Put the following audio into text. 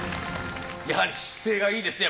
やはり姿勢がいいですね